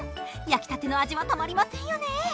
焼きたての味はたまりませんよね。